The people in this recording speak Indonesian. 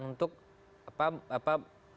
untuk apa apa